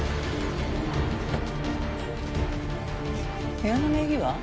部屋の名義は？